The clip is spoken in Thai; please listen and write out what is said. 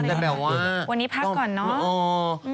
วันนี้พักก่อนเนอะ